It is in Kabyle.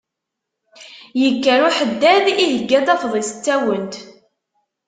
Yekker uḥeddad iheyya-d afḍis d tawent.